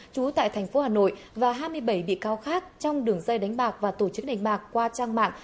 chú tại tp hcm và hai mươi bảy bị cáo khác trong đường dây đánh bạc và tổ chức đánh bạc qua trang mạng